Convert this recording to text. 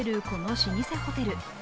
この老舗ホテル